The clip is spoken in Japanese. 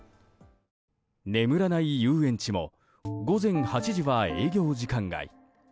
眠らない遊園地も午前８時は営業時間外。